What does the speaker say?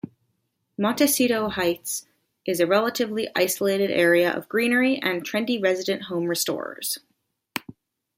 Montecito Heights is a relatively isolated area of greenery and trendy resident home restorers.